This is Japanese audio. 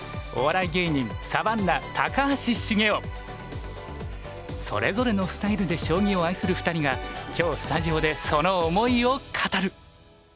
お笑い芸人それぞれのスタイルで将棋を愛する２人が今日スタジオでその思いを語る。